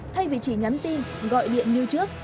thay vì chỉ nhắn tin gọi điện như trước